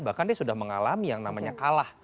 bahkan dia sudah mengalami yang namanya kalah